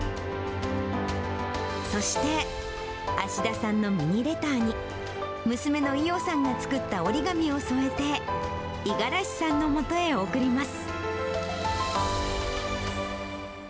そして芦田さんのミニレターに、娘の緯さんが作った折り紙を添えて、五十嵐さんのもとへ送ります。